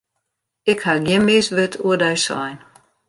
Ik haw gjin mis wurd oer dy sein.